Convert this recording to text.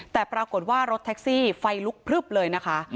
แต่ปรากฏว่ารถแท็กซี่ไฟลุกพลึบเลยนะคะ